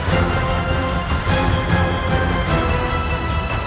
punya diri aku seleasih